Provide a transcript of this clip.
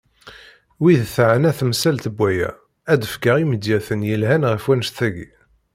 Wid teɛna temsalt n waya ad d-fkeɣ imedyaten yelhan ɣef wanect-agi.